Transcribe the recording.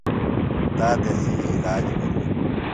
تا تسی علاج بِھلیۡ۔